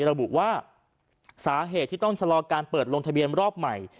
ระบุว่าสาเหตุที่ต้องชะลอการเปิดลงทะเบียนรอบใหม่